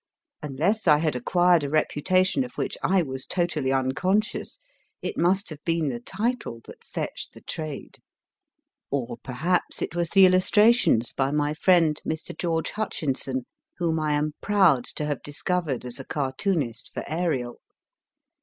Unless I had acquired a reputation of which I was totally 7. ZANGWILL 179 unconscious, it must have been the title that fetched the trade. Or, perhaps, it was the illustrations by my friend, Mr. George Hutchinson, whom I am proud to have discovered as a cartoonist for Ariel.